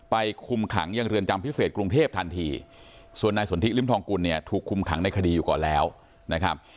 คุมขังยังเรือนจำพิเศษกรุงเทพทันทีส่วนนายสนทิริมทองกุลเนี่ยถูกคุมขังในคดีอยู่ก่อนแล้วนะครับ